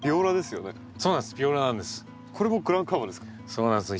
そうなんですよ。